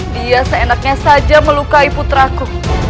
dia seenaknya saja melukai putra ku